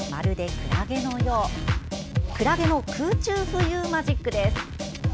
くらげの空中浮遊マジックです。